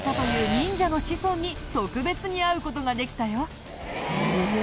忍者の子孫に特別に会う事ができたよ。